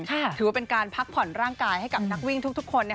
ถือว่าเป็นการพักผ่อนร่างกายให้กับนักวิ่งทุกคน